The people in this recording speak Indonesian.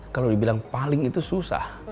kalau dibilang paling itu susah